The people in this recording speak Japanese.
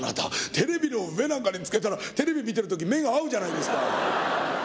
テレビの上なんかにつけたらテレビ見てるとき目が合うじゃないですか」。